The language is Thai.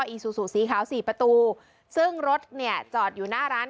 อซูซูสีขาวสี่ประตูซึ่งรถเนี่ยจอดอยู่หน้าร้าน